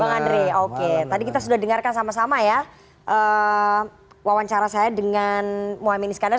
bang andre oke tadi kita sudah dengarkan sama sama ya wawancara saya dengan mohamad iskandar